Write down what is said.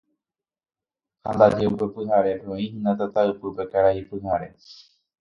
Ha ndaje upe pyharépe oĩhína tataypýpe Karai Pyhare.